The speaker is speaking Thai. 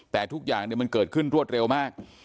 แต่ทุกอย่างมันเกิดขึ้นรวดเร็วมาก